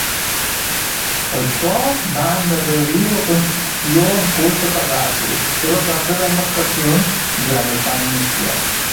Això va endarrerir la construcció en curs de "Pegasus", i les altres embarcacions ja no es van iniciar.